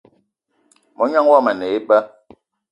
Mognan yomo a ne eba